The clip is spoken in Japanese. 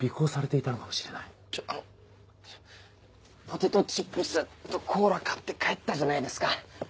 ポテトチップスとコーラ買って帰ったじゃないですか。